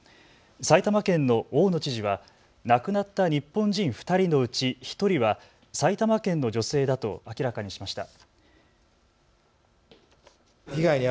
埼玉県の大野知事は亡くなった日本人２人のうち１人は埼玉県の女性だと明らかにしました。